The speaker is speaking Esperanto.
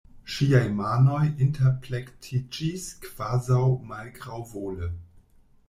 Ŝiaj manoj interplektiĝis kvazaŭ malgraŭvole.